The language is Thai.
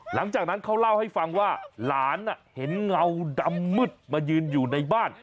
หลังจากนั้นเขาเล่าให้ฟังว่าหลานเห็นเงาดำมืดมายืนอยู่ในบ้าน